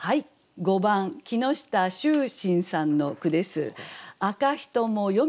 ５番木下秀信さんの句です。